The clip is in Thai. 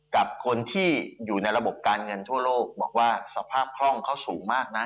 กับคนที่อยู่ในระบบการเงินทั่วโลกบอกว่าสภาพคล่องเขาสูงมากนะ